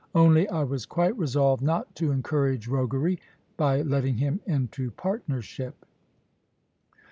Only I was quite resolved not to encourage roguery, by letting him into partnership.